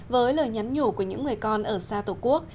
với lời nhắn nhủ của những người con ở xa tổ quốc